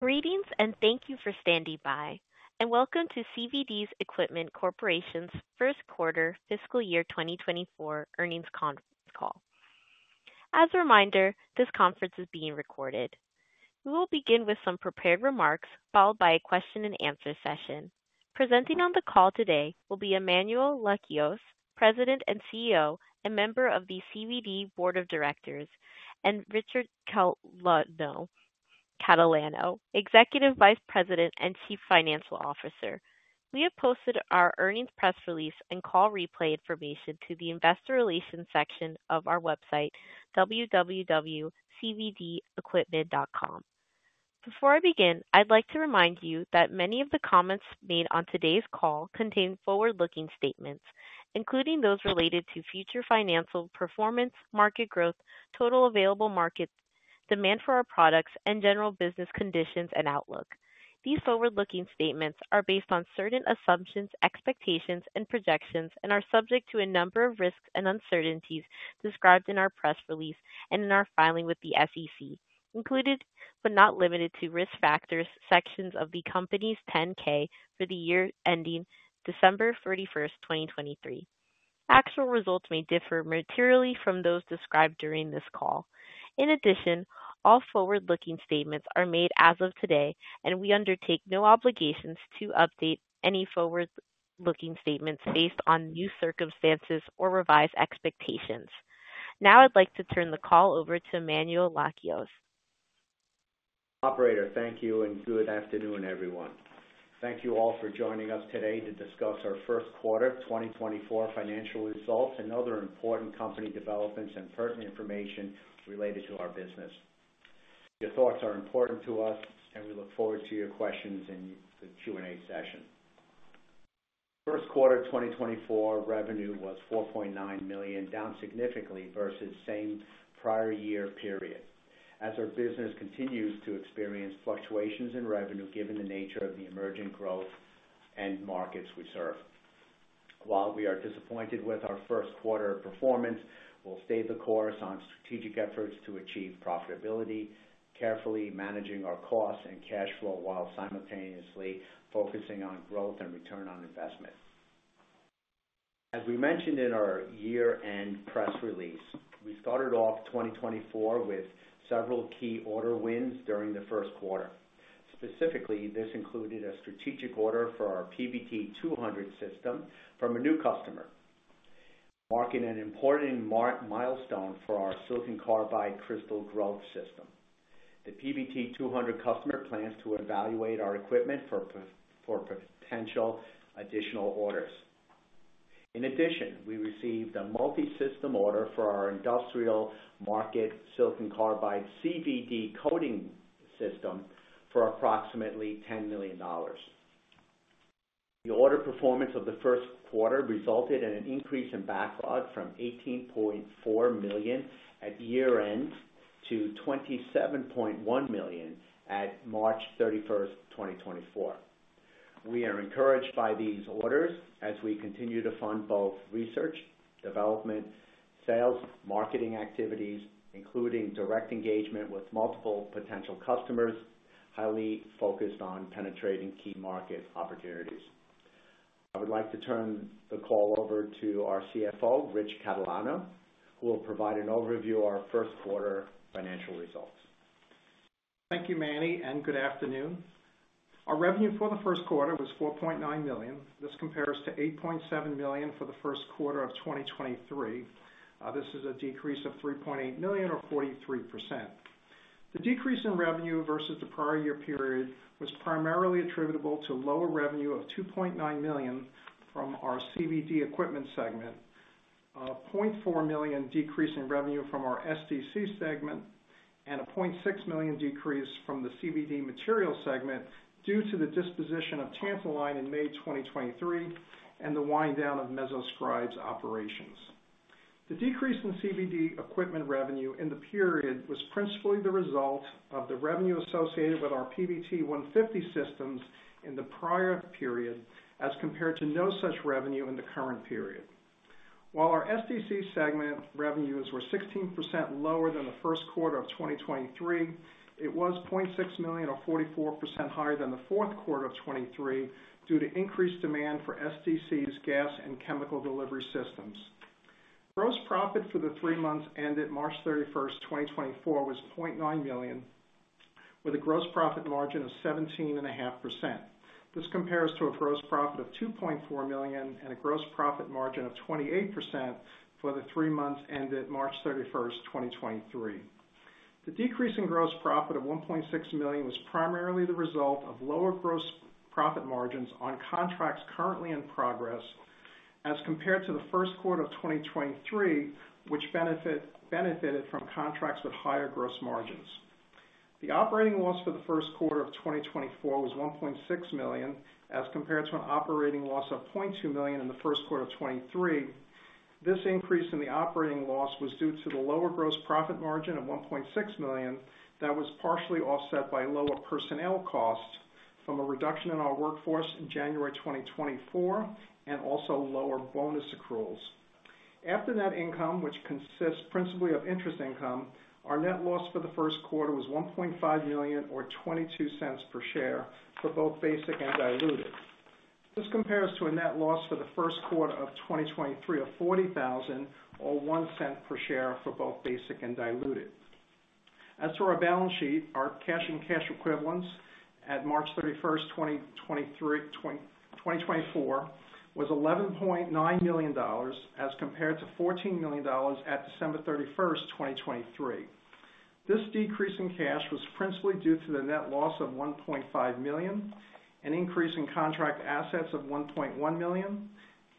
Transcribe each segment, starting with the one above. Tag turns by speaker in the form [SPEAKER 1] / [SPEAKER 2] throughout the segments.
[SPEAKER 1] Greetings and thank you for standing by, and welcome to CVD Equipment Corporation's First Quarter Fiscal Year 2024 Earnings Conference Call. As a reminder, this conference is being recorded. We will begin with some prepared remarks followed by a question-and-answer session. Presenting on the call today will be Emmanuel Lakios, President and CEO and member of the CVD Board of Directors, and Richard Catalano, Executive Vice President and Chief Financial Officer. We have posted our earnings press release and call replay information to the Investor Relations section of our website, www.cvdequipment.com. Before I begin, I'd like to remind you that many of the comments made on today's call contain forward-looking statements, including those related to future financial performance, market growth, total available markets, demand for our products, and general business conditions and outlook. These forward-looking statements are based on certain assumptions, expectations, and projections, and are subject to a number of risks and uncertainties described in our press release and in our filing with the SEC, included but not limited to risk factors sections of the company's 10-K for the year ending December 31st, 2023. Actual results may differ materially from those described during this call. In addition, all forward-looking statements are made as of today, and we undertake no obligations to update any forward-looking statements based on new circumstances or revised expectations. Now I'd like to turn the call over to Emmanuel Lakios.
[SPEAKER 2] Operator, thank you, and good afternoon, everyone. Thank you all for joining us today to discuss our first quarter 2024 financial results and other important company developments and pertinent information related to our business. Your thoughts are important to us, and we look forward to your questions in the Q&A session. First quarter 2024 revenue was $4.9 million, down significantly versus same prior year period, as our business continues to experience fluctuations in revenue given the nature of the emerging growth and markets we serve. While we are disappointed with our first quarter performance, we'll stay the course on strategic efforts to achieve profitability, carefully managing our costs and cash flow while simultaneously focusing on growth and return on investment. As we mentioned in our year-end press release, we started off 2024 with several key order wins during the first quarter. Specifically, this included a strategic order for our PVT-200 system from a new customer, marking an important milestone for our silicon carbide crystal growth system. The PVT-200 customer plans to evaluate our equipment for potential additional orders. In addition, we received a multi-system order for our industrial market silicon carbide CVD coating system for approximately $10 million. The order performance of the first quarter resulted in an increase in backlog from $18.4 million at year-end to $27.1 million at March 31st, 2024. We are encouraged by these orders as we continue to fund both research, development, sales, marketing activities, including direct engagement with multiple potential customers, highly focused on penetrating key market opportunities. I would like to turn the call over to our CFO, Rich Catalano, who will provide an overview of our first quarter financial results.
[SPEAKER 3] Thank you, Manny, and good afternoon. Our revenue for the first quarter was $4.9 million. This compares to $8.7 million for the first quarter of 2023. This is a decrease of $3.8 million, or 43%. The decrease in revenue versus the prior year period was primarily attributable to lower revenue of $2.9 million from our CVD equipment segment, a $0.4 million decrease in revenue from our SDC segment, and a $0.6 million decrease from the CVD materials segment due to the disposition of Tantaline in May 2023 and the wind-down of MesoScribe's operations. The decrease in CVD equipment revenue in the period was principally the result of the revenue associated with our PVT-150 systems in the prior period as compared to no such revenue in the current period. While our SDC segment revenues were 16% lower than the first quarter of 2023, it was $0.6 million, or 44%, higher than the fourth quarter of 2023 due to increased demand for SDC's gas and chemical delivery systems. Gross profit for the three months ended March 31st, 2024, was $0.9 million, with a gross profit margin of 17.5%. This compares to a gross profit of $2.4 million and a gross profit margin of 28% for the three months ended March 31st, 2023. The decrease in gross profit of $1.6 million was primarily the result of lower gross profit margins on contracts currently in progress as compared to the first quarter of 2023, which benefited from contracts with higher gross margins. The operating loss for the first quarter of 2024 was $1.6 million as compared to an operating loss of $0.2 million in the first quarter of 2023. This increase in the operating loss was due to the lower gross profit margin of $1.6 million that was partially offset by lower personnel costs from a reduction in our workforce in January 2024 and also lower bonus accruals. After net income, which consists principally of interest income, our net loss for the first quarter was $1.5 million, or $0.22 per share for both basic and diluted. This compares to a net loss for the first quarter of 2023 of $40,000, or $0.01 per share for both basic and diluted. As for our balance sheet, our cash and cash equivalents at March 31st, 2024, was $11.9 million as compared to $14 million at December 31st, 2023. This decrease in cash was principally due to the net loss of $1.5 million, an increase in contract assets of $1.1 million,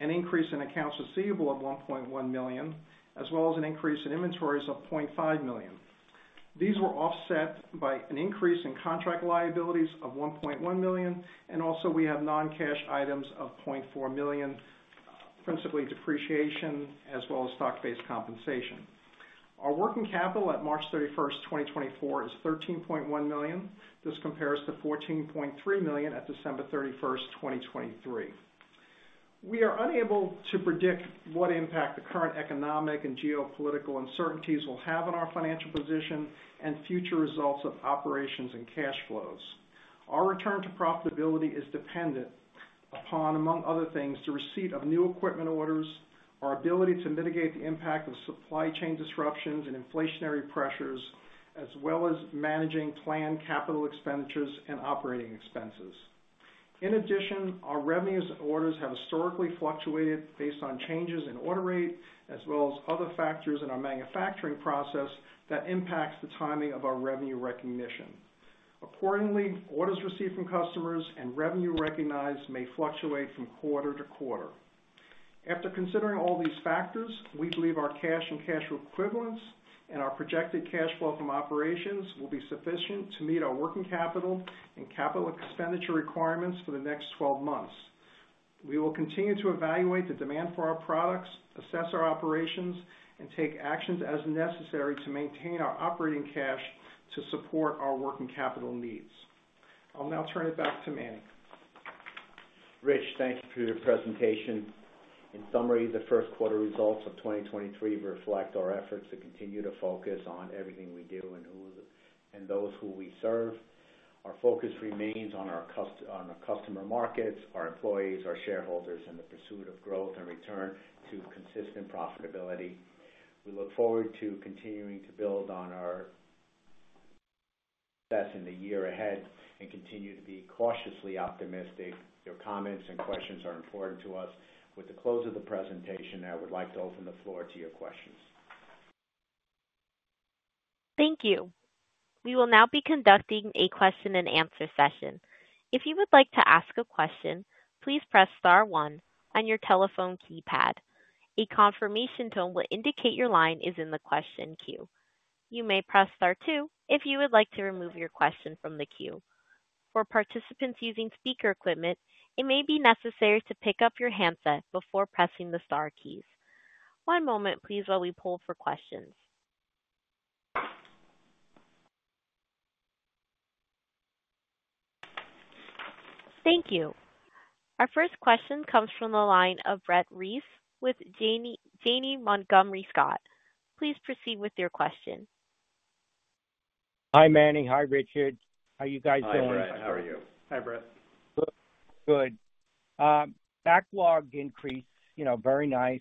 [SPEAKER 3] an increase in accounts receivable of $1.1 million, as well as an increase in inventories of $0.5 million. These were offset by an increase in contract liabilities of $1.1 million, and also we have non-cash items of $0.4 million, principally depreciation as well as stock-based compensation. Our working capital at March 31st, 2024, is $13.1 million. This compares to $14.3 million at December 31st, 2023. We are unable to predict what impact the current economic and geopolitical uncertainties will have on our financial position and future results of operations and cash flows. Our return to profitability is dependent upon, among other things, the receipt of new equipment orders, our ability to mitigate the impact of supply chain disruptions and inflationary pressures, as well as managing planned capital expenditures and operating expenses. In addition, our revenues and orders have historically fluctuated based on changes in order rate as well as other factors in our manufacturing process that impacts the timing of our revenue recognition. Accordingly, orders received from customers and revenue recognized may fluctuate from quarter to quarter. After considering all these factors, we believe our cash and cash equivalents and our projected cash flow from operations will be sufficient to meet our working capital and capital expenditure requirements for the next 12 months. We will continue to evaluate the demand for our products, assess our operations, and take actions as necessary to maintain our operating cash to support our working capital needs. I'll now turn it back to Manny.
[SPEAKER 2] Rich, thank you for your presentation. In summary, the first quarter results of 2023 reflect our efforts to continue to focus on everything we do and those who we serve. Our focus remains on our customer markets, our employees, our shareholders, and the pursuit of growth and return to consistent profitability. We look forward to continuing to build on our success in the year ahead and continue to be cautiously optimistic. Your comments and questions are important to us. With the close of the presentation, I would like to open the floor to your questions.
[SPEAKER 1] Thank you. We will now be conducting a question-and-answer session. If you would like to ask a question, please press star one on your telephone keypad. A confirmation tone will indicate your line is in the question queue. You may press star two if you would like to remove your question from the queue. For participants using speaker equipment, it may be necessary to pick up your handset before pressing the star keys. One moment, please, while we pull for questions. Thank you. Our first question comes from the line of Brett Reiss with Janney Montgomery Scott. Please proceed with your question.
[SPEAKER 4] Hi, Manny. Hi, Richard. How are you guys doing?
[SPEAKER 2] Hi, Brett. How are you?
[SPEAKER 3] Hi, Brent.
[SPEAKER 4] Good. Backlog increase, very nice.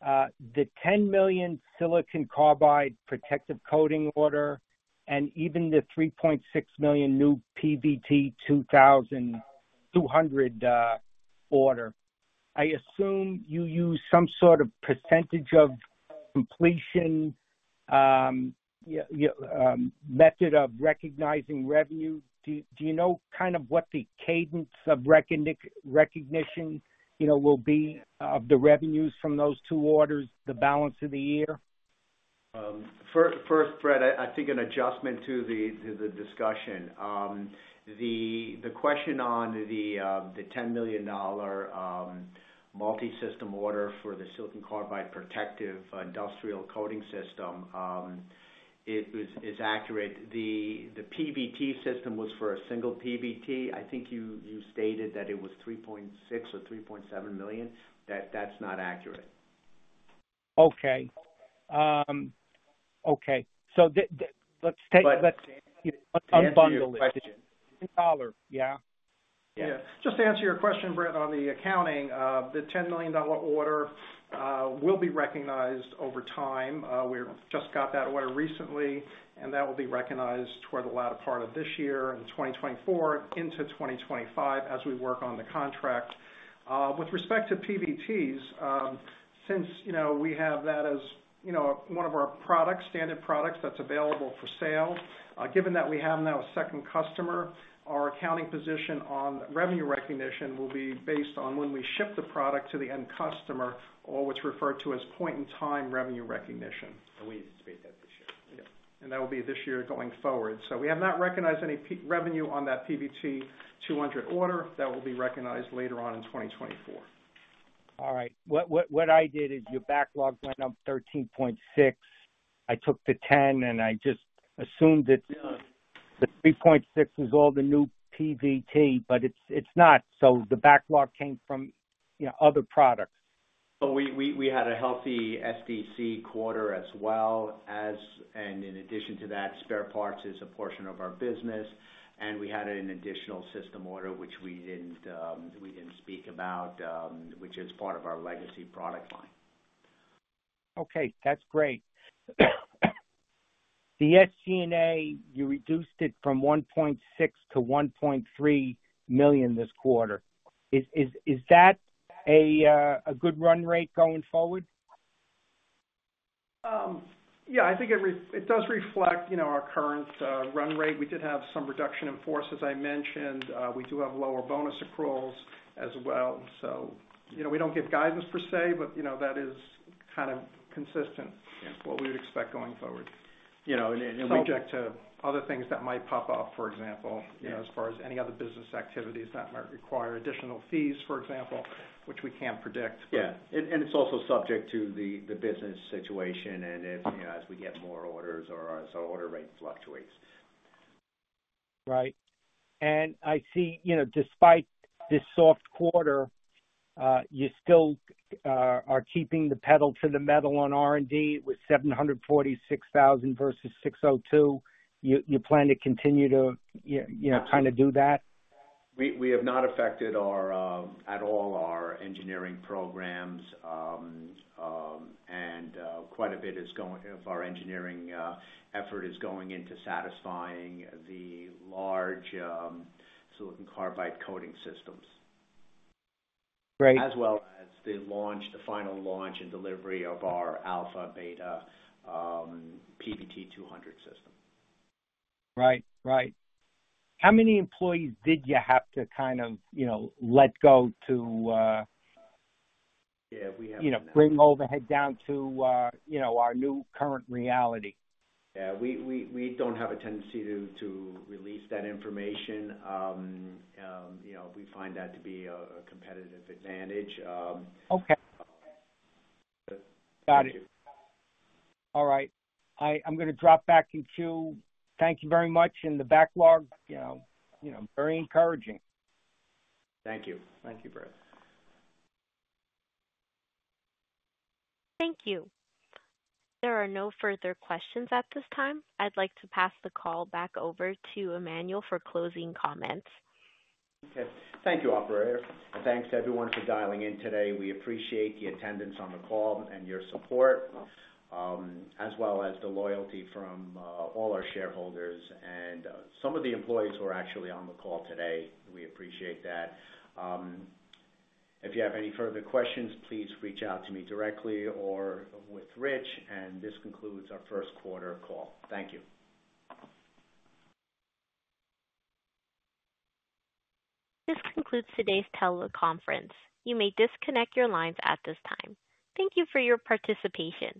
[SPEAKER 4] The $10 million silicon carbide protective coating order and even the $3.6 million new PVT-200 order, I assume you use some sort of percentage of completion method of recognizing revenue. Do you know kind of what the cadence of recognition will be of the revenues from those two orders, the balance of the year?
[SPEAKER 2] First, Brett, I think an adjustment to the discussion. The question on the $10 million multi-system order for the silicon carbide protective industrial coating system, it is accurate. The PVT system was for a single PVT. I think you stated that it was $3.6 million or $3.7 million. That's not accurate.
[SPEAKER 4] Okay. Okay. So let's unbundle it.
[SPEAKER 2] But I didn't ask your question.
[SPEAKER 4] $10, yeah?
[SPEAKER 3] Yeah. Just to answer your question, Brett, on the accounting, the $10 million order will be recognized over time. We just got that order recently, and that will be recognized toward the latter part of this year, in 2024, into 2025 as we work on the contract. With respect to PVTs, since we have that as one of our standard products that's available for sale, given that we have now a second customer, our accounting position on revenue recognition will be based on when we ship the product to the end customer, or what's referred to as point-in-time revenue recognition.
[SPEAKER 2] We anticipate that this year.
[SPEAKER 3] Yeah. That will be this year going forward. We have not recognized any revenue on that PVT-200 order. That will be recognized later on in 2024.
[SPEAKER 4] All right. What I did is your backlog went up $13.6. I took the $10, and I just assumed that the $3.6 was all the new PVT, but it's not. So the backlog came from other products.
[SPEAKER 2] Well, we had a healthy SDC quarter as well. In addition to that, spare parts is a portion of our business, and we had an additional system order, which we didn't speak about, which is part of our legacy product line.
[SPEAKER 4] Okay. That's great. The SG&A, you reduced it from $1.6 million-$1.3 million this quarter. Is that a good run rate going forward?
[SPEAKER 3] Yeah. I think it does reflect our current run rate. We did have some reduction in force, as I mentioned. We do have lower bonus accruals as well. So we don't give guidance per se, but that is kind of consistent with what we would expect going forward, subject to other things that might pop up, for example, as far as any other business activities that might require additional fees, for example, which we can't predict, but.
[SPEAKER 2] Yeah. It's also subject to the business situation and as we get more orders or as our order rate fluctuates.
[SPEAKER 4] Right. And I see, despite this soft quarter, you still are keeping the pedal to the metal on R&D with $746,000 versus $602,000. You plan to continue to kind of do that?
[SPEAKER 2] We have not affected at all our engineering programs, and quite a bit of our engineering effort is going into satisfying the large silicon carbide coating systems, as well as the final launch and delivery of our alpha beta PVT-200 system.
[SPEAKER 4] Right. Right. How many employees did you have to kind of let go to bring overhead down to our new current reality?
[SPEAKER 2] Yeah. We don't have a tendency to release that information. We find that to be a competitive advantage.
[SPEAKER 4] Got it. All right. I'm going to drop back in queue. Thank you very much. The backlog, very encouraging.
[SPEAKER 2] Thank you. Thank you, Brett.
[SPEAKER 1] Thank you. There are no further questions at this time. I'd like to pass the call back over to Emmanuel for closing comments.
[SPEAKER 2] Okay. Thank you, operator. Thanks to everyone for dialing in today. We appreciate the attendance on the call and your support, as well as the loyalty from all our shareholders and some of the employees who are actually on the call today. We appreciate that. If you have any further questions, please reach out to me directly or with Rich. This concludes our first quarter call. Thank you.
[SPEAKER 1] This concludes today's teleconference. You may disconnect your lines at this time. Thank you for your participation.